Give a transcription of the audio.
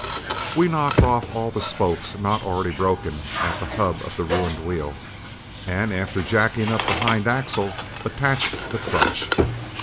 We knocked off all the spokes not already broken at the hub of the ruined wheel, and after jacking up the hind axle, attached the "crutch."